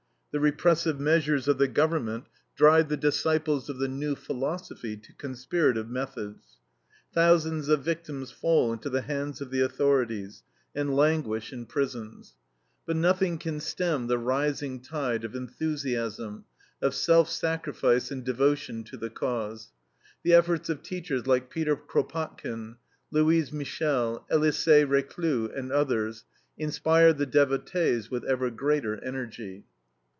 The repressive measures of the government drive the disciples of the new philosophy to conspirative methods. Thousands of victims fall into the hands of the authorities and languish in prisons. But nothing can stem the rising tide of enthusiasm, of self sacrifice and devotion to the Cause. The efforts of teachers like Peter Kropotkin, Louise Michel, Elisee Reclus, and others, inspire the devotees with ever greater energy.